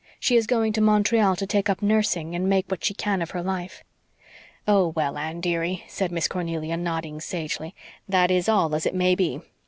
She is going to Montreal to take up nursing and make what she can of her life." "Oh, well, Anne, dearie," said Miss Cornelia, nodding sagely "that is all as it may be.